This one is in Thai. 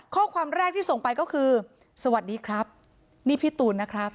ข้อความแรกที่ส่งไปก็คือสวัสดีครับนี่พี่ตูนนะครับ